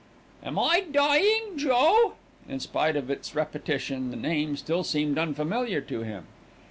"Am I dying, Joe?" In spite of its repetition, the name still seemed unfamiliar to him.